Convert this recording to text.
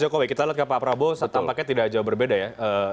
kita lihat pak prabowo tampaknya tidak jauh berbeda ya